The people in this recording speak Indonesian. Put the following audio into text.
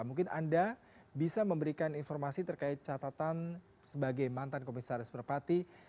mungkin anda bisa memberikan informasi terkait catatan sebagai mantan komisaris merpati